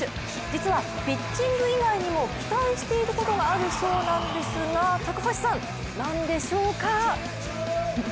実はピッチング以外にも期待していることがあるそうなんですが高橋さん、何でしょうか？